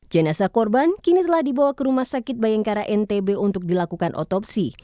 jenasa korban kini telah dibawa ke rumah sakit bayangkara ntb untuk dilakukan otopsi